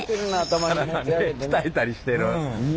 体ね鍛えたりしてる。